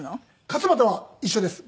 勝俣は一緒です。